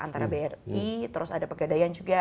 antara bri terus ada pegadaian juga